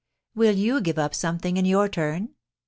Will you give up something in your turn